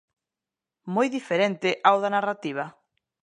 Moi diferente ao da narrativa?